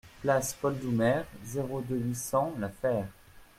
Place Paul Doumer, zéro deux, huit cents La Fère